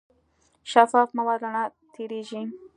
شفاف مواد رڼا تېرېږي.